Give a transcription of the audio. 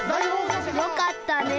よかったね。